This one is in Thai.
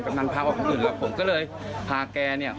นันพาออกของอื่นด้วยผมก็เลยพาแกเนี่ย